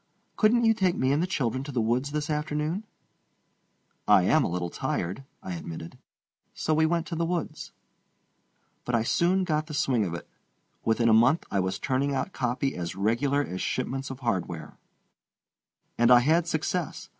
Couldn't you take me and the children to the woods this afternoon?" "I am a little tired," I admitted. So we went to the woods. But I soon got the swing of it. Within a month I was turning out copy as regular as shipments of hardware. And I had success.